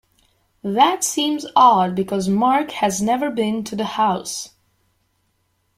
That seems odd because Mark has never been to the house.